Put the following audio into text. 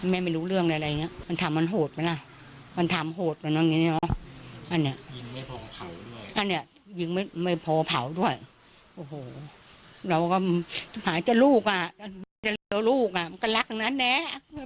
น่ะแน่เอาเจ้ารักของนั้นแน่